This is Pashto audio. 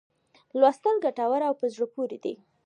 لوستل ګټور او په زړه پوري دي.